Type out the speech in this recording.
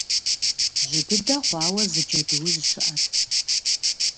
Жьы дыдэ хъуауэ зы Джэдуужь щыӀэт.